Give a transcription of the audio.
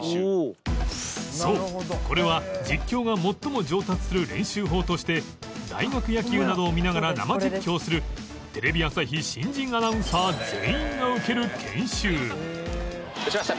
そうこれは実況が最も上達する練習法として大学野球などを見ながら生実況するテレビ朝日新人アナウンサー全員が受ける研修打ちました。